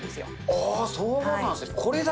ああ、そうなんですね。